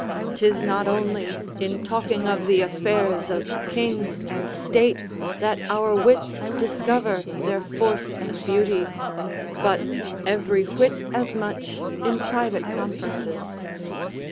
'Tis not only in talking of the affairs of kings and state that our wits discover their force and beauty, but every whit as much in private conferences.